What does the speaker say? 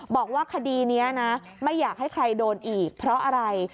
บอกว่าคดีนี้นะไม่อยากให้ใครโดนอีกเพราะอะไร